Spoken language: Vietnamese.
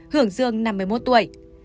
hưởng dương năm mươi một tuổi